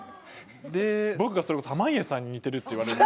僕がそれこそ濱家さんに似てるっていわれる。